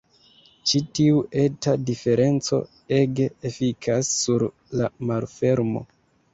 Ĉi tiu eta diferenco ege efikas sur la malfermo.